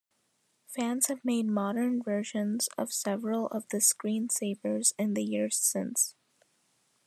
Fans have made modern versions of several of the screensavers in the years since.